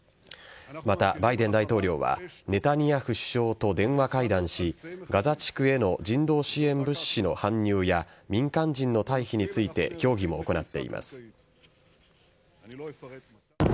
また、バイデン大統領はネタニヤフ首相と電話会談しガザ地区への人道支援物資の搬入や民間人の退避について協議も行っています。